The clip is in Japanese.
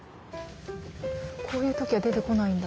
こういう時は出てこないんだ。